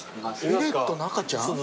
フェレットの赤ちゃん？